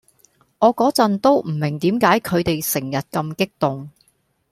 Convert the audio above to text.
我個陣都唔明點解佢哋成日咁激動⠀